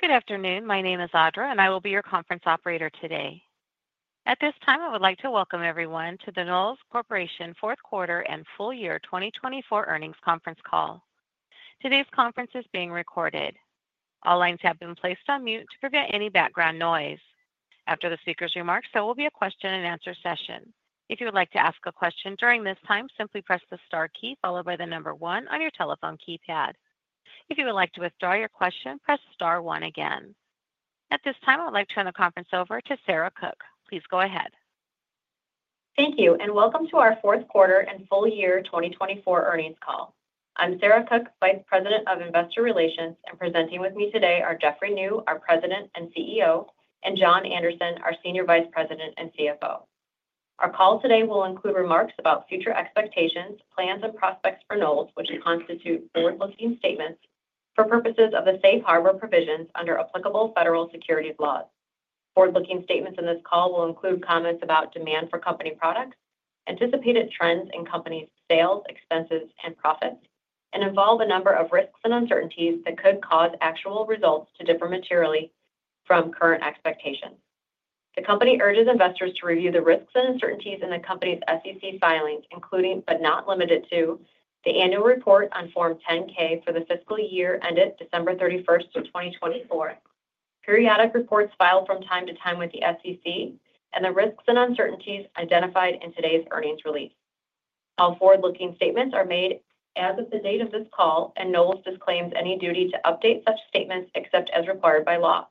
Good afternoon. My name is Audra, and I will be your conference operator today. At this time, I would like to welcome everyone to the Knowles Corporation Fourth Quarter and Full Year 2024 Earnings Conference Call. Today's conference is being recorded. All lines have been placed on mute to prevent any background noise. After the speaker's remarks, there will be a question-and-answer session. If you would like to ask a question during this time, simply press the star key followed by the number one on your telephone keypad. If you would like to withdraw your question, press star one again. At this time, I would like to turn the conference over to Sarah Cook. Please go ahead. Thank you, and welcome to our Fourth Quarter and Full Year 2024 Earnings Call. I'm Sarah Cook, Vice President of Investor Relations, and presenting with me today are Jeffrey Niew, our President and CEO, and John Anderson, our Senior Vice President and CFO. Our call today will include remarks about future expectations, plans, and prospects for Knowles, which will constitute forward-looking statements for purposes of the safe harbor provisions under applicable federal securities laws. Forward-looking statements in this call will include comments about demand for company products, anticipated trends in company sales, expenses, and profits, and involve a number of risks and uncertainties that could cause actual results to differ materially from current expectations. The company urges investors to review the risks and uncertainties in the company's SEC filings, including, but not limited to, the annual report on Form 10-K for the fiscal year ended December 31, 2024, periodic reports filed from time to time with the SEC, and the risks and uncertainties identified in today's earnings release. All forward-looking statements are made as of the date of this call, and Knowles disclaims any duty to update such statements except as required by law.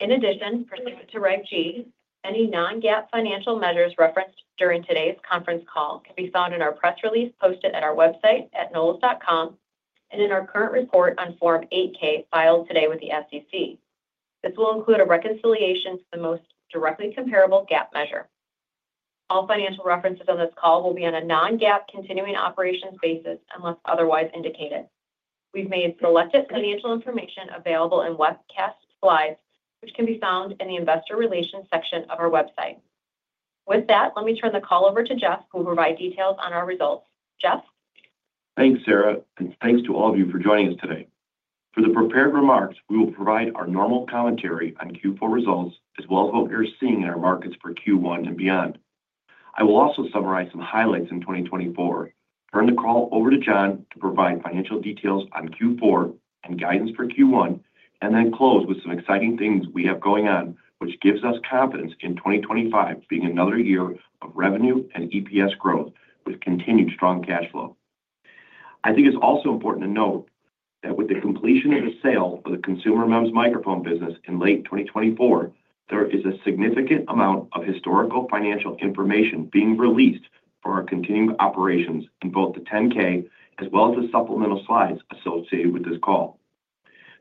In addition, pursuant to Reg G, any non-GAAP financial measures referenced during today's conference call can be found in our press release posted at our website at knowles.com and in our current report on Form 8-K filed today with the SEC. This will include a reconciliation to the most directly comparable GAAP measure. All financial references on this call will be on a non-GAAP continuing operations basis unless otherwise indicated. We've made selected financial information available in webcast slides, which can be found in the Investor Relations section of our website. With that, let me turn the call over to Jeff, who will provide details on our results. Jeff? Thanks, Sarah, and thanks to all of you for joining us today. For the prepared remarks, we will provide our normal commentary on Q4 results as well as what we're seeing in our markets for Q1 and beyond. I will also summarize some highlights in 2024, turn the call over to John to provide financial details on Q4 and guidance for Q1, and then close with some exciting things we have going on, which gives us confidence in 2025 being another year of revenue and EPS growth with continued strong cash flow. I think it's also important to note that with the completion of the sale of the consumer MEMS microphone business in late 2024, there is a significant amount of historical financial information being released for our continuing operations in both the 10-K as well as the supplemental slides associated with this call.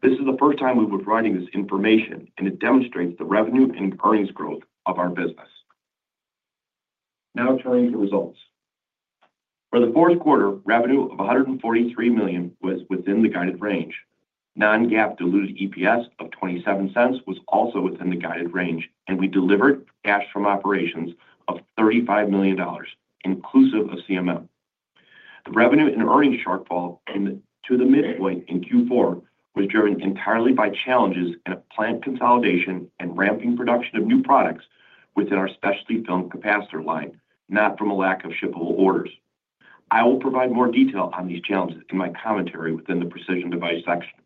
This is the first time we've been providing this information, and it demonstrates the revenue and earnings growth of our business. Now, turning to results. For the fourth quarter, revenue of $143 million was within the guided range. Non-GAAP diluted EPS of $0.27 was also within the guided range, and we delivered cash from operations of $35 million, inclusive of CMM. The revenue and earnings shortfall to the midpoint in Q4 was driven entirely by challenges in plant consolidation and ramping production of new products within our specialty film capacitor line, not from a lack of shippable orders. I will provide more detail on these challenges in my commentary within the Precision Devices section.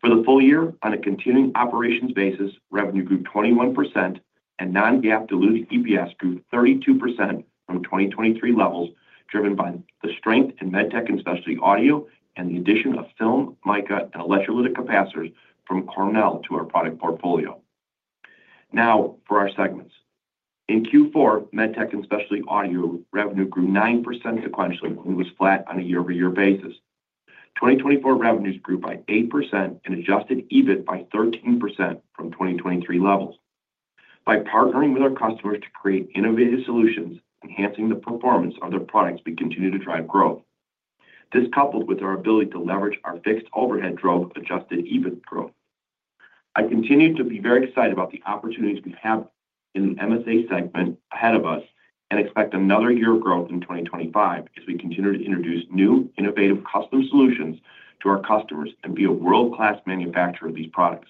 For the full year, on a continuing operations basis, revenue grew 21%, and non-GAAP diluted EPS grew 32% from 2023 levels, driven by the strength in MedTech and Specialty Audio and the addition of film, mica, and electrolytic capacitors from Cornell to our product portfolio. Now, for our segments. In Q4, MedTech and Specialty Audio revenue grew 9% sequentially and was flat on a year-over-year basis. 2024 revenues grew by 8% and Adjusted EBIT by 13% from 2023 levels. By partnering with our customers to create innovative solutions, enhancing the performance of their products, we continue to drive growth. This coupled with our ability to leverage our fixed overhead drove Adjusted EBIT growth. I continue to be very excited about the opportunities we have in the MSA segment ahead of us and expect another year of growth in 2025 as we continue to introduce new innovative custom solutions to our customers and be a world-class manufacturer of these products.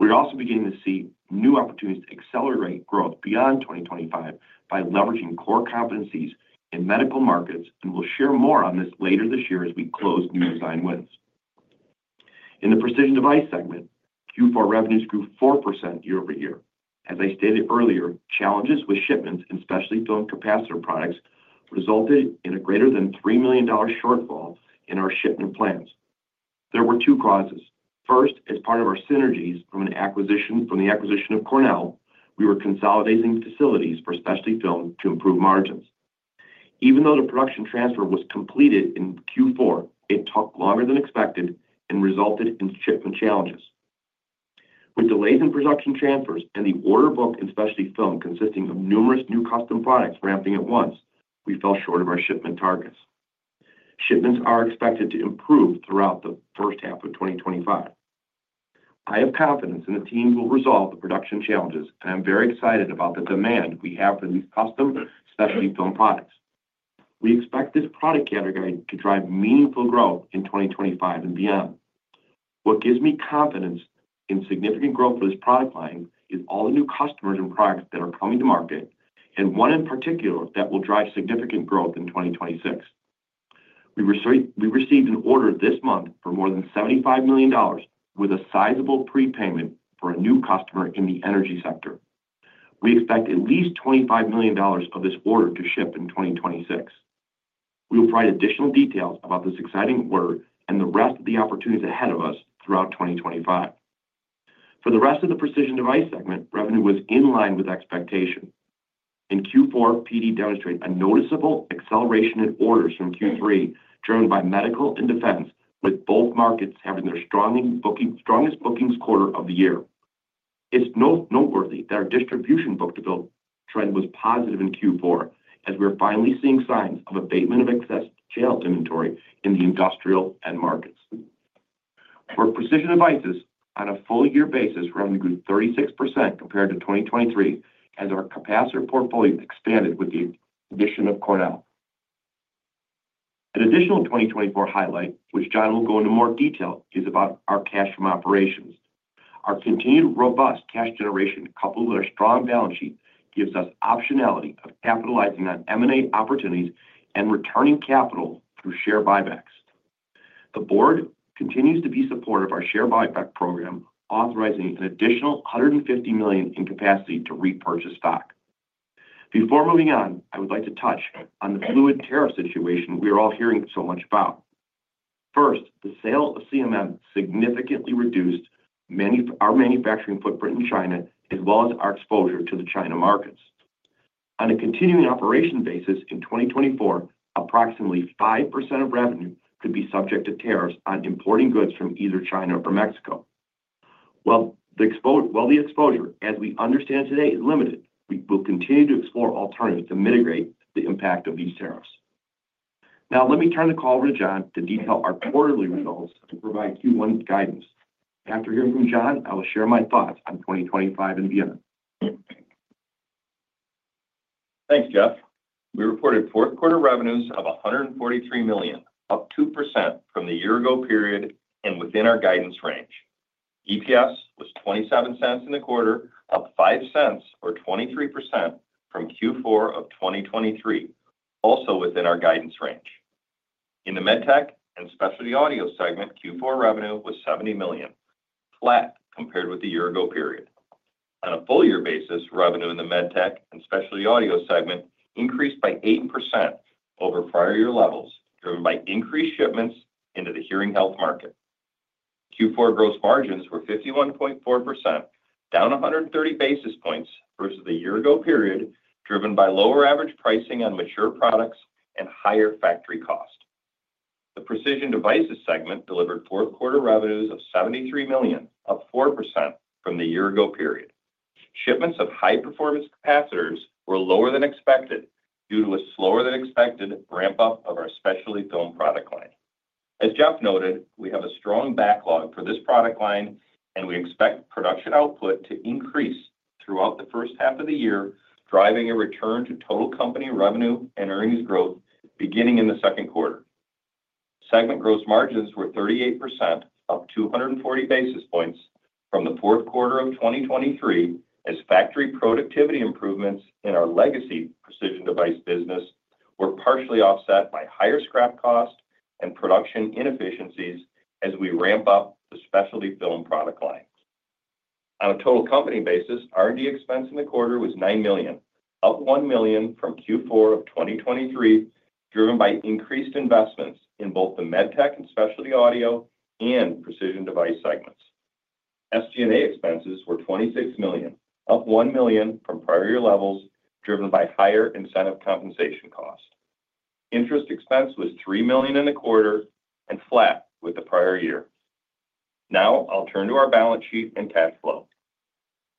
We're also beginning to see new opportunities to accelerate growth beyond 2025 by leveraging core competencies in medical markets, and we'll share more on this later this year as we close new design wins. In the Precision Devices segment, Q4 revenues grew 4% year-over-year. As I stated earlier, challenges with shipments and specialty film capacitor products resulted in a greater than $3 million shortfall in our shipment plans. There were two causes. First, as part of our synergies from the acquisition of Cornell, we were consolidating facilities for specialty film to improve margins. Even though the production transfer was completed in Q4, it took longer than expected and resulted in shipment challenges. With delays in production transfers and the order book in specialty film consisting of numerous new custom products ramping at once, we fell short of our shipment targets. Shipments are expected to improve throughout the first half of 2025. I have confidence in the team will resolve the production challenges, and I'm very excited about the demand we have for these custom specialty film products. We expect this product category to drive meaningful growth in 2025 and beyond. What gives me confidence in significant growth for this product line is all the new customers and products that are coming to market, and one in particular that will drive significant growth in 2026. We received an order this month for more than $75 million with a sizable prepayment for a new customer in the energy sector. We expect at least $25 million of this order to ship in 2026. We will provide additional details about this exciting order and the rest of the opportunities ahead of us throughout 2025. For the rest of the precision device segment, revenue was in line with expectation. In Q4, PD demonstrated a noticeable acceleration in orders from Q3, driven by medical and defense, with both markets having their strongest bookings quarter of the year. It's noteworthy that our distribution book-to-bill trend was positive in Q4, as we're finally seeing signs of abatement of excess channel inventory in the industrial and med markets. For precision devices, on a full-year basis, revenue grew 36% compared to 2023 as our capacitor portfolio expanded with the addition of Cornell. An additional 2024 highlight, which John will go into more detail, is about our cash from operations. Our continued robust cash generation, coupled with our strong balance sheet, gives us optionality of capitalizing on M&A opportunities and returning capital through share buybacks. The board continues to be supportive of our share buyback program, authorizing an additional $150 million in capacity to repurchase stock. Before moving on, I would like to touch on the fluid tariff situation we are all hearing so much about. First, the sale of CMM significantly reduced our manufacturing footprint in China, as well as our exposure to the China markets. On a continuing operation basis in 2024, approximately 5% of revenue could be subject to tariffs on importing goods from either China or Mexico. While the exposure, as we understand today, is limited, we will continue to explore alternatives to mitigate the impact of these tariffs. Now, let me turn the call over to John to detail our quarterly results and provide Q1 guidance. After hearing from John, I will share my thoughts on 2025 and beyond. Thanks, Jeff. We reported fourth-quarter revenues of $143 million, up 2% from the year-ago period and within our guidance range. EPS was $0.27 in the quarter, up $0.05, or 23% from Q4 of 2023, also within our guidance range. In the MedTech and Specialty Audio segment, Q4 revenue was $70 million, flat compared with the year-ago period. On a full-year basis, revenue in the MedTech and Specialty Audio segment increased by 8% over prior-year levels, driven by increased shipments into the hearing health market. Q4 gross margins were 51.4%, down 130 basis points versus the year-ago period, driven by lower average pricing on mature products and higher factory cost. The Precision Devices segment delivered fourth-quarter revenues of $73 million, up 4% from the year-ago period. Shipments of high-performance capacitors were lower than expected due to a slower-than-expected ramp-up of our specialty film product line. As Jeff noted, we have a strong backlog for this product line, and we expect production output to increase throughout the first half of the year, driving a return to total company revenue and earnings growth beginning in the second quarter. Segment gross margins were 38%, up 240 basis points from the fourth quarter of 2023, as factory productivity improvements in our legacy precision device business were partially offset by higher scrap cost and production inefficiencies as we ramp up the specialty film product line. On a total company basis, R&D expense in the quarter was $9 million, up $1 million from Q4 of 2023, driven by increased investments in both the MedTech and Specialty Audio and Precision Devices segments. SG&A expenses were $26 million, up $1 million from prior-year levels, driven by higher incentive compensation cost. Interest expense was $3 million in the quarter and flat with the prior year. Now, I'll turn to our balance sheet and cash flow.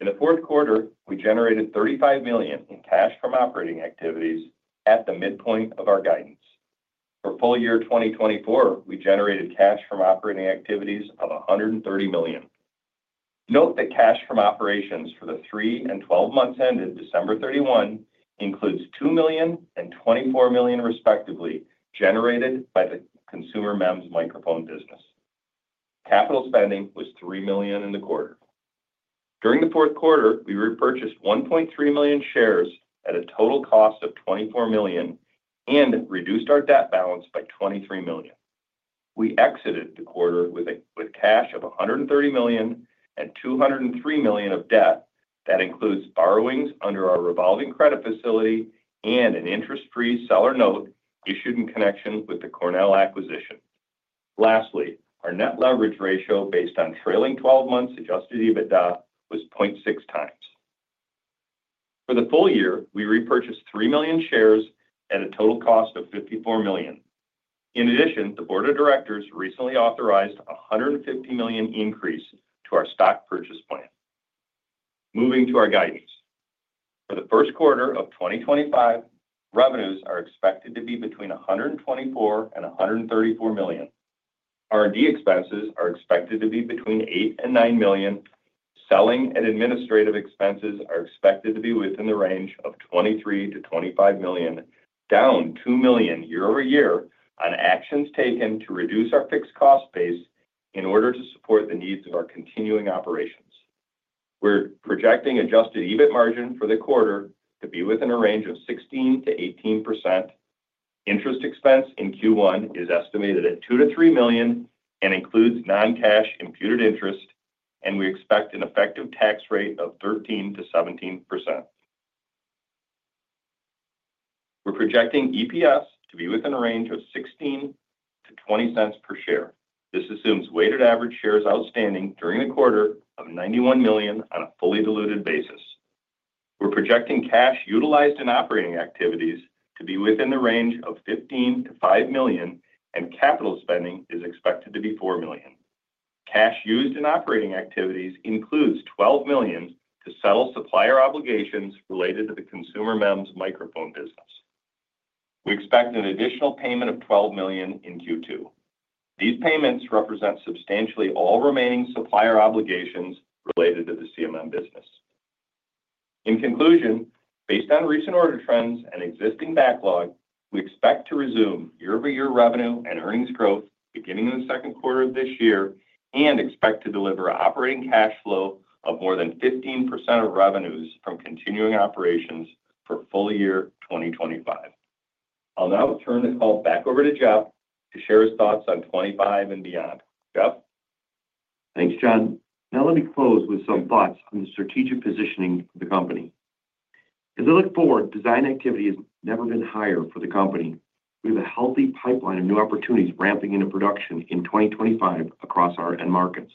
In the fourth quarter, we generated $35 million in cash from operating activities at the midpoint of our guidance. For full year 2024, we generated cash from operating activities of $130 million. Note that cash from operations for the three and 12 months ended December 31 includes $2 million and $24 million, respectively, generated by the consumer MEMS microphone business. Capital spending was $3 million in the quarter. During the fourth quarter, we repurchased 1.3 million shares at a total cost of $24 million and reduced our debt balance by $23 million. We exited the quarter with cash of $130 million and $203 million of debt that includes borrowings under our revolving credit facility and an interest-free seller note issued in connection with the Cornell acquisition. Lastly, our net leverage ratio based on trailing 12 months' adjusted EBITDA was 0.6 times. For the full year, we repurchased 3 million shares at a total cost of $54 million. In addition, the board of directors recently authorized a $150 million increase to our stock purchase plan. Moving to our guidance. For the first quarter of 2025, revenues are expected to be between $124 and $134 million. R&D expenses are expected to be between $8 and $9 million. Selling and administrative expenses are expected to be within the range of $23-$25 million, down $2 million year-over-year on actions taken to reduce our fixed cost base in order to support the needs of our continuing operations. We're projecting adjusted EBIT margin for the quarter to be within a range of 16%-18%. Interest expense in Q1 is estimated at $2-$3 million and includes non-cash imputed interest, and we expect an effective tax rate of 13%-17%. We're projecting EPS to be within a range of $0.16-$0.20 per share. This assumes weighted average shares outstanding during the quarter of 91 million on a fully diluted basis. We're projecting cash utilized in operating activities to be within the range of $5-$15 million, and capital spending is expected to be $4 million. Cash used in operating activities includes $12 million to settle supplier obligations related to the consumer MEMS microphone business. We expect an additional payment of $12 million in Q2. These payments represent substantially all remaining supplier obligations related to the CMM business. In conclusion, based on recent order trends and existing backlog, we expect to resume year-over-year revenue and earnings growth beginning in the second quarter of this year and expect to deliver an operating cash flow of more than 15% of revenues from continuing operations for full year 2025. I'll now turn the call back over to Jeff to share his thoughts on 25 and beyond. Jeff? Thanks, John. Now, let me close with some thoughts on the strategic positioning of the company. As I look forward, design activity has never been higher for the company. We have a healthy pipeline of new opportunities ramping into production in 2025 across our end markets.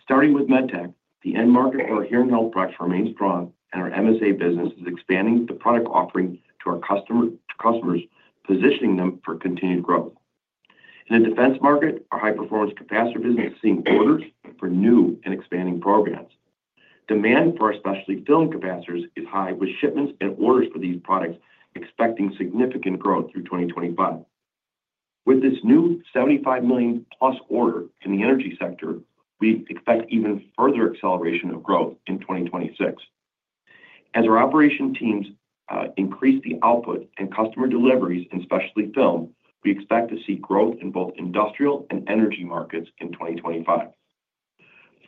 Starting with MedTech, the end market for our hearing health products remains strong, and our MSA business is expanding the product offering to our customers, positioning them for continued growth. In the defense market, our high-performance capacitor business is seeing orders for new and expanding programs. Demand for our specialty film capacitors is high, with shipments and orders for these products expecting significant growth through 2025. With this new $75 million-plus order in the energy sector, we expect even further acceleration of growth in 2026. As our operation teams increase the output and customer deliveries in specialty film, we expect to see growth in both industrial and energy markets in 2025.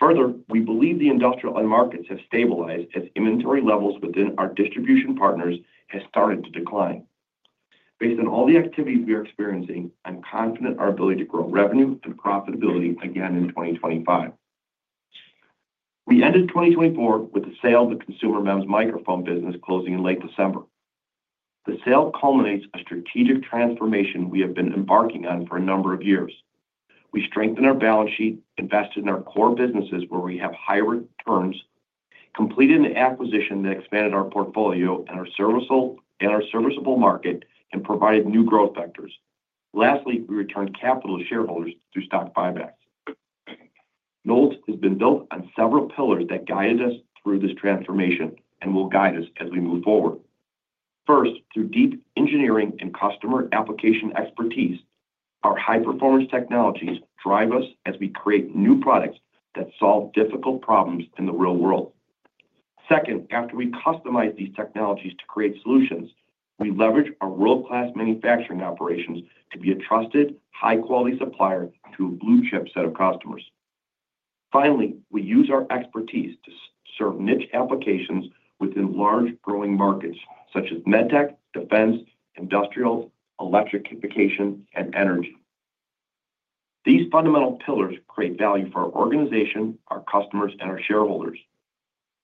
Further, we believe the industrial and markets have stabilized as inventory levels within our distribution partners have started to decline. Based on all the activities we are experiencing, I'm confident in our ability to grow revenue and profitability again in 2025. We ended 2024 with the sale of the consumer MEMS microphone business closing in late December. The sale culminates a strategic transformation we have been embarking on for a number of years. We strengthened our balance sheet, invested in our core businesses where we have high returns, completed an acquisition that expanded our portfolio and our serviceable market, and provided new growth vectors. Lastly, we returned capital to shareholders through stock buybacks. Knowles has been built on several pillars that guided us through this transformation and will guide us as we move forward. First, through deep engineering and customer application expertise, our high-performance technologies drive us as we create new products that solve difficult problems in the real world. Second, after we customize these technologies to create solutions, we leverage our world-class manufacturing operations to be a trusted, high-quality supplier to a blue-chip set of customers. Finally, we use our expertise to serve niche applications within large growing markets such as medtech, defense, industrial, electrification, and energy. These fundamental pillars create value for our organization, our customers, and our shareholders.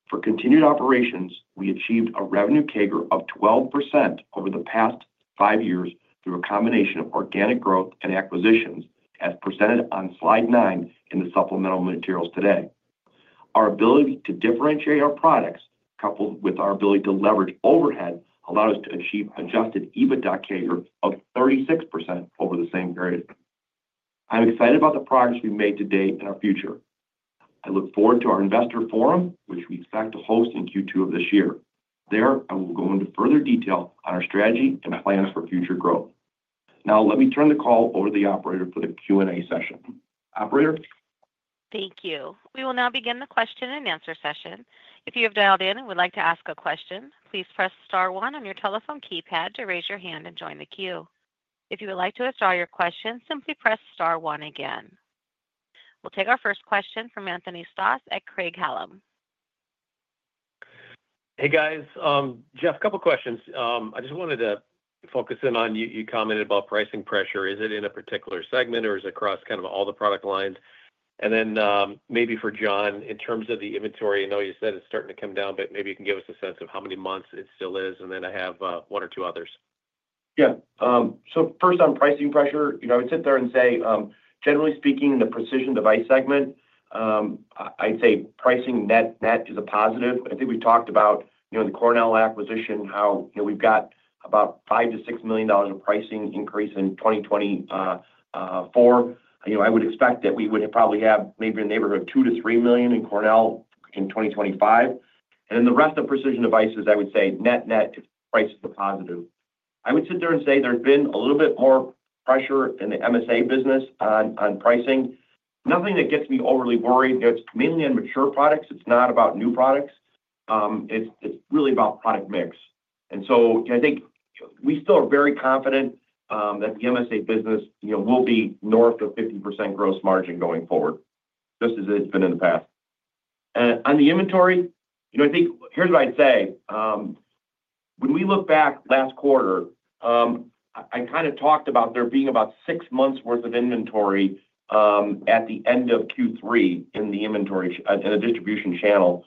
For continued operations, we achieved a revenue CAGR of 12% over the past five years through a combination of organic growth and acquisitions, as presented on slide nine in the supplemental materials today. Our ability to differentiate our products, coupled with our ability to leverage overhead, allowed us to achieve adjusted EBITDA CAGR of 36% over the same period. I'm excited about the progress we've made today and our future. I look forward to our investor forum, which we expect to host in Q2 of this year. There, I will go into further detail on our strategy and plans for future growth. Now, let me turn the call over to the operator for the Q&A session. Operator? Thank you. We will now begin the question-and-answer session. If you have dialed in and would like to ask a question, please press star 1 on your telephone keypad to raise your hand and join the queue. If you would like to withdraw your question, simply press star 1 again. We'll take our first question from Anthony Stoss at Craig-Hallum. Hey, guys. Jeff, a couple of questions. I just wanted to focus in on you commented about pricing pressure. Is it in a particular segment, or is it across kind of all the product lines? And then maybe for John, in terms of the inventory, I know you said it's starting to come down, but maybe you can give us a sense of how many months it still is, and then I have one or two others. Yeah, so first, on pricing pressure, I would sit there and say, generally speaking, in the precision device segment, I'd say pricing net is a positive. I think we've talked about in the Cornell acquisition how we've got about $5-$6 million of pricing increase in 2024. I would expect that we would probably have maybe a neighborhood of $2-$3 million in Cornell in 2025. And then the rest of precision devices, I would say net-net price is a positive. I would sit there and say there's been a little bit more pressure in the MSA business on pricing. Nothing that gets me overly worried. It's mainly on mature products. It's not about new products. It's really about product mix. And so I think we still are very confident that the MSA business will be north of 50% gross margin going forward, just as it's been in the past. On the inventory, I think here's what I'd say. When we look back last quarter, I kind of talked about there being about six months' worth of inventory at the end of Q3 in the inventory and the distribution channel.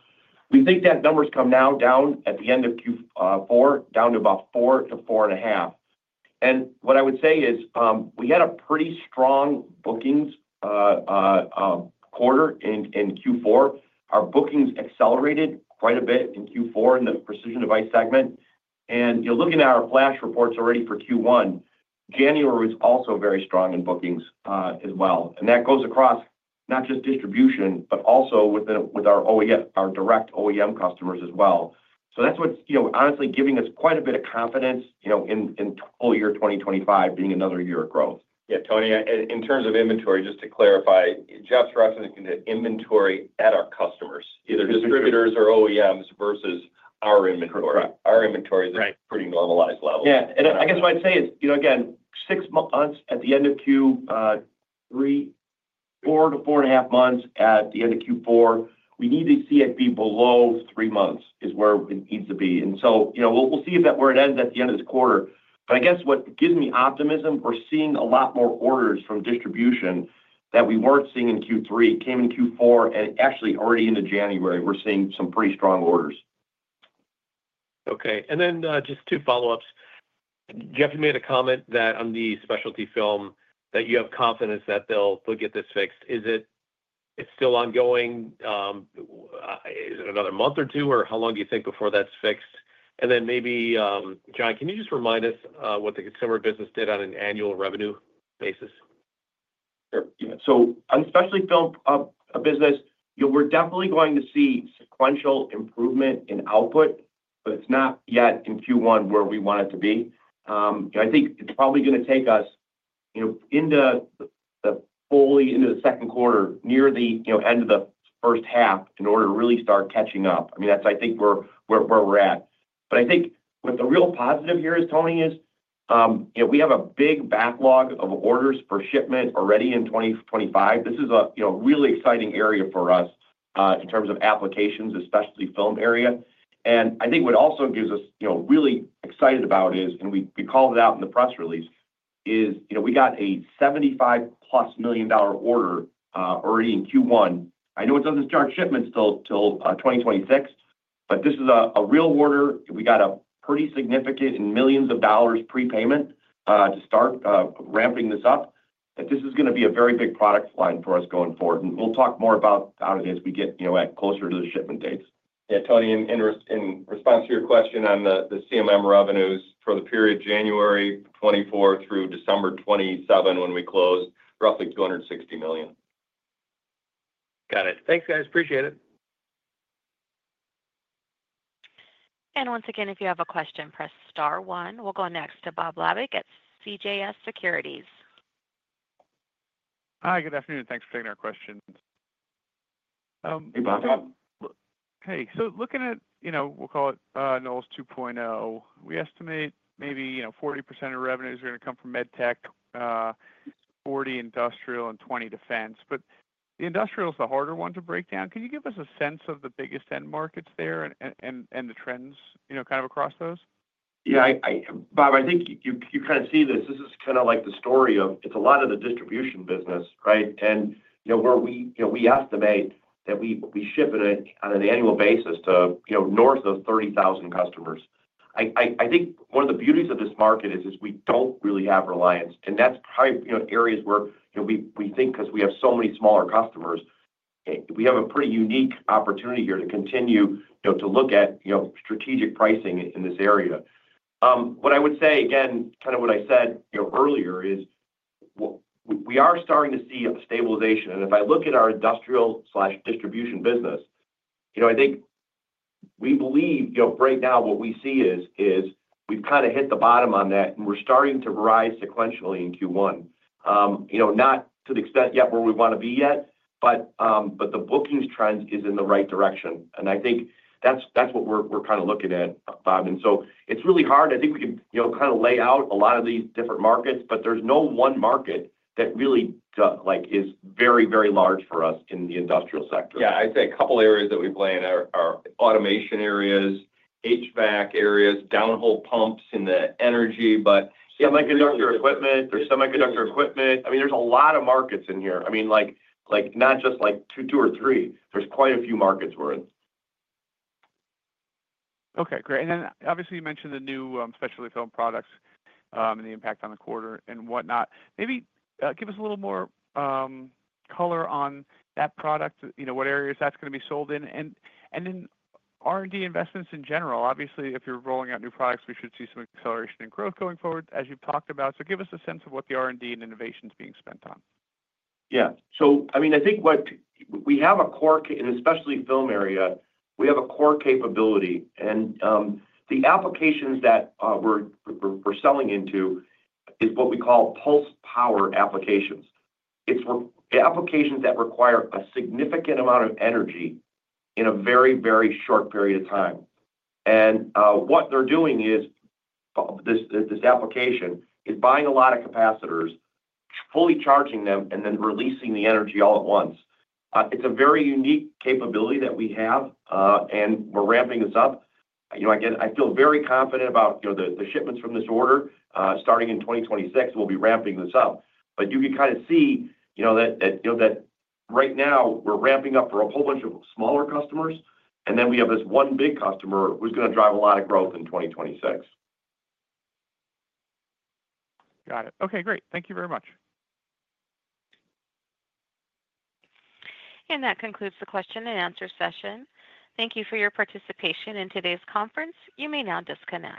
We think that numbers come now down at the end of Q4, down to about $4-$4.5. And what I would say is we had a pretty strong bookings quarter in Q4. Our bookings accelerated quite a bit in Q4 in the precision device segment. And looking at our flash reports already for Q1, January was also very strong in bookings as well. And that goes across not just distribution, but also with our OEM, our direct OEM customers as well. So that's what's honestly giving us quite a bit of confidence in full year 2025 being another year of growth. Yeah, Tony, in terms of inventory, just to clarify, Jeff's referencing the inventory at our customers, either distributors or OEMs versus our inventory. Our inventory is at a pretty normalized level. Yeah. And I guess what I'd say is, again, six months at the end of Q3, four to four and a half months at the end of Q4. We need to see it be below three months is where it needs to be. And so we'll see where it ends at the end of this quarter. But I guess what gives me optimism, we're seeing a lot more orders from distribution that we weren't seeing in Q3, came in Q4, and actually already into January, we're seeing some pretty strong orders. Okay. And then just two follow-ups. Jeff, you made a comment that on the specialty film that you have confidence that they'll get this fixed. Is it still ongoing? Is it another month or two, or how long do you think before that's fixed? And then maybe, John, can you just remind us what the consumer business did on an annual revenue basis? Sure. So on the specialty film business, we're definitely going to see sequential improvement in output, but it's not yet in Q1 where we want it to be. I think it's probably going to take us into the fully into the second quarter, near the end of the first half, in order to really start catching up. I mean, that's, I think, where we're at. But I think what the real positive here is, Tony, is we have a big backlog of orders for shipment already in 2025. This is a really exciting area for us in terms of applications, especially film area. And I think what also gives us really excited about is, and we called it out in the press release, is we got a $75-plus million order already in Q1. I know it doesn't start shipments till 2026, but this is a real order. We got a pretty significant and millions of dollars prepayment to start ramping this up. This is going to be a very big product line for us going forward. And we'll talk more about that as we get closer to the shipment dates. Yeah, Tony, in response to your question on the CMM revenues for the period January 24 through December 27, when we closed, roughly $260 million. Got it. Thanks, guys. Appreciate it. Once again, if you have a question, press star 1. We'll go next to Bob Labick at CJS Securities. Hi, good afternoon. Thanks for taking our questions. Hey, Bob. Hey. So looking at, we'll call it Knowles 2.0, we estimate maybe 40% of revenues are going to come from MedTech, 40% industrial, and 20% defense. But the industrial is the harder one to break down. Can you give us a sense of the biggest end markets there and the trends kind of across those? Yeah. Bob, I think you kind of see this. This is kind of like the story of it's a lot of the distribution business, right? And where we estimate that we ship on an annual basis to north of 30,000 customers. I think one of the beauties of this market is we don't really have reliance. And that's probably areas where we think, because we have so many smaller customers, we have a pretty unique opportunity here to continue to look at strategic pricing in this area. What I would say, again, kind of what I said earlier is we are starting to see a stabilization. And if I look at our industrial/distribution business, I think we believe right now what we see is we've kind of hit the bottom on that, and we're starting to rise sequentially in Q1. Not to the extent yet where we want to be yet, but the bookings trend is in the right direction. And I think that's what we're kind of looking at, Bob. And so it's really hard. I think we can kind of lay out a lot of these different markets, but there's no one market that really is very, very large for us in the industrial sector. Yeah. I'd say a couple of areas that we play in are automation areas, HVAC areas, downhole pumps in the energy, but. Semiconductor equipment. Semiconductor equipment. I mean, there's a lot of markets in here. I mean, not just two or three. There's quite a few markets we're in. Okay. Great. And then obviously, you mentioned the new specialty film products and the impact on the quarter and whatnot. Maybe give us a little more color on that product, what areas that's going to be sold in. And then R&D investments in general. Obviously, if you're rolling out new products, we should see some acceleration in growth going forward, as you've talked about. So give us a sense of what the R&D and innovation is being spent on. Yeah. So I mean, I think we have a core and especially film area, we have a core capability. And the applications that we're selling into is what we call pulse power applications. It's applications that require a significant amount of energy in a very, very short period of time. And what they're doing is this application is buying a lot of capacitors, fully charging them, and then releasing the energy all at once. It's a very unique capability that we have, and we're ramping this up. Again, I feel very confident about the shipments from this order. Starting in 2026, we'll be ramping this up. But you can kind of see that right now we're ramping up for a whole bunch of smaller customers, and then we have this one big customer who's going to drive a lot of growth in 2026. Got it. Okay. Great. Thank you very much. That concludes the question-and-answer session. Thank you for your participation in today's conference. You may now disconnect.